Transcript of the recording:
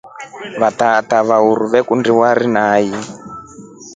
Watata wa uruu vakundi warii naqi.